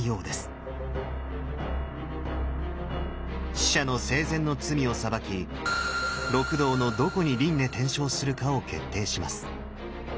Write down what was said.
死者の生前の罪を裁き六道のどこに輪廻転生するかを決定します。